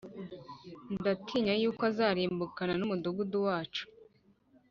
ndatinya yuko azarimbukana n’umudugudu wacu